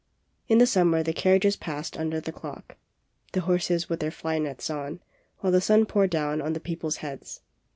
In the summer the carriages passed under the clock, the horses with their fly nets on, while the sun poured down on the peoples' heads.